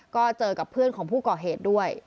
ก็เจอกับเพื่อนของผู้ก่อเหตุด้วย